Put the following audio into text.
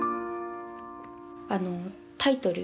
あのタイトル。